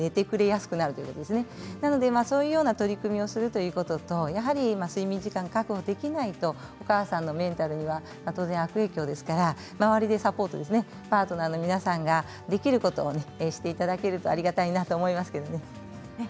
そういうような取り組みをするということ睡眠時間が確保できないとお母さんのメンタルに悪影響ですから周りのサポートですねパートナーの皆さんができることをしていただけるとありがたいと思います。